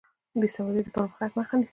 بې سوادي د پرمختګ مخه نیسي.